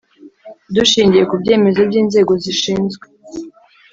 Dushingiye ku byemezo by inzego zishinzwe